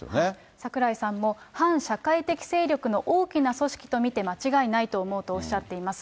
櫻井さんも、反社会的勢力の大きな組織と見て間違いないと思うとおっしゃっています。